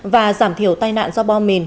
và giảm thiểu tai nạn do bom mìn